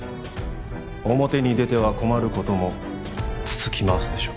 表に出ては困ることもつつき回すでしょう。